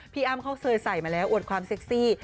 พี่เอ๋คเขาเสยศัยมาแล้วอวดความเซ็คซี